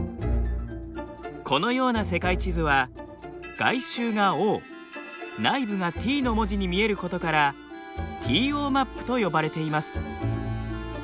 このような世界地図は外周がＯ内部がＴの文字に見えることからＴＯマップと呼ばれています。